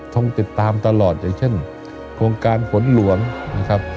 ทติธรรมตลอดอย่างเช่นโครงการผลหนวางนะครับ